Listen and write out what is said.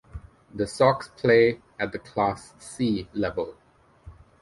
The Sox Play at the Class 'C' level.